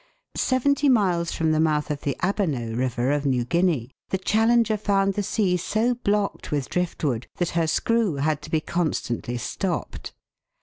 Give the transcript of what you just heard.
Seventy miles from the mouth of the Ambernoh River of New Guinea, the Challenger found the sea so blocked with drift wood that her screw had to be constantly stopped.